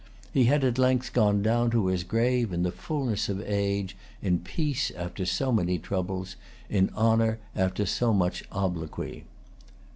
He had at length gone down to his grave in the fulness of age, in peace after so many troubles, in honor after so much obloquy.